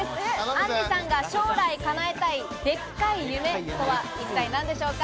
杏莉さんが将来叶えたい、でっかい夢とは一体何でしょうか？